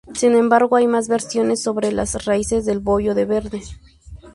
Sin embargo, hay más versiones sobre las raíces del bollo de verde.